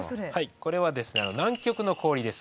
これはですね南極の氷です。